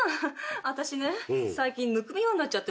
私ね最近むくむようになっちゃってさ。